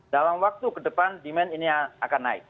dalam waktu ke depan demand ini akan naik